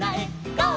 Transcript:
「ゴー！